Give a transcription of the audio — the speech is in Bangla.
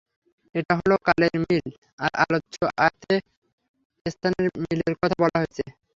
এটা হলো কালের মিল আর আলোচ্য আয়াতে স্থানের মিলের কথা বলা হয়েছে।